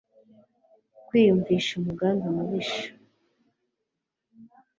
Kwiyumvisha umugambi mubisha